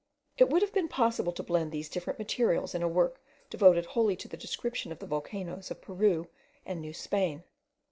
It would have been possible to blend these different materials in a work devoted wholly to the description of the volcanoes of Peru and New Spain.